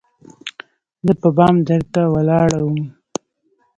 زه په بام درته ولاړه وم